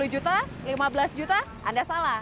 dua puluh juta lima belas juta anda salah